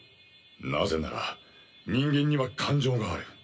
なぜなら人間には感情がある。